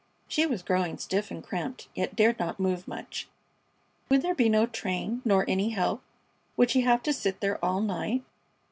She was growing stiff and cramped, yet dared not move much. Would there be no train, nor any help? Would she have to sit there all night?